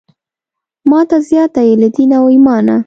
ماته زیاته یې له دینه او ایمانه.